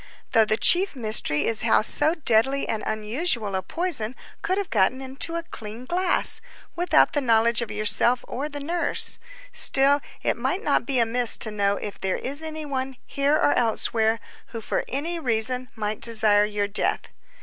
Though the chief mystery is how so deadly and unusual a poison could have gotten into a clean glass, without the knowledge of yourself or the nurse, still it might not be amiss to know if there is any one, here or elsewhere, who for any reason might desire your death."